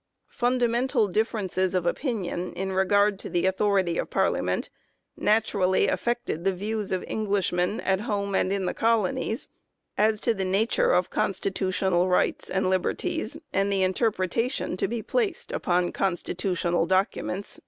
1 Fundamental differences of opinion in regard to the authority of Parliament naturally affected the views of Englishmen at home and in the colonies as to the nature of constitutional rights and liberties and the interpretation to be placed upon constitutional documents such as 'the Great Charter and the Bill of Rights.